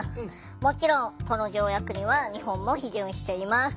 もちろんこの条約には日本も批准しています。